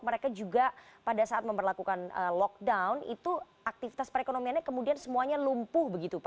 mereka juga pada saat memperlakukan lockdown itu aktivitas perekonomiannya kemudian semuanya lumpuh begitu pak